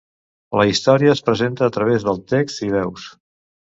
La història es presenta a través de text i veus.